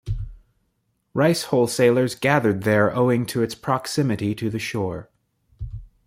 Rice wholesalers gathered there owing to its proximity to the shore.